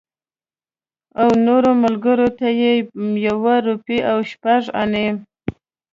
او نورو ملګرو ته یې یوه روپۍ او شپږ انې.